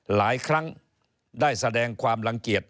หลายครั้งได้แสดงความรังเกียจ